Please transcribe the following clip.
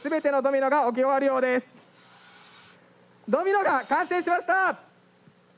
ドミノが完成しました！